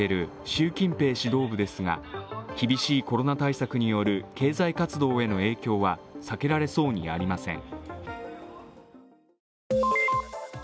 習近平指導部ですが、厳しいコロナ対策による経済活動への影響は避けられそうにありません。